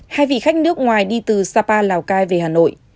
hai vị khách nước ngoài đi từ sapa lào cai về hà nội